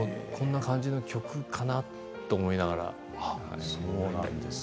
どんな感じの曲かなと思いますから。